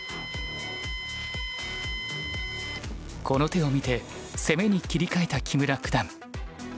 この手を見て攻めに切り替えた木村九段。